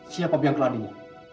siapa yang keladinya